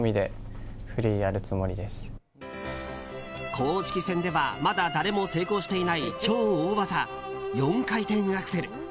公式戦ではまだ誰も成功していない超大技４回転アクセル。